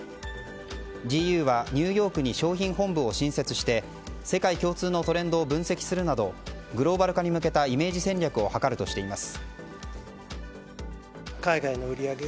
ＧＵはニューヨークに商品本部を新設して世界共通のトレンドを分析するなどグローバル化に向けたイメージ戦略を図るとしています。